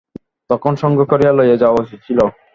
তখনই সঙ্গে করিয়া লইয়া যাওয়া উচিত ছিল।